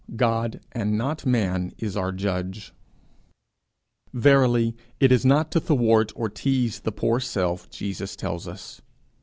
God and not man is our judge.' Verily it is not to thwart or tease the poor self Jesus tells us.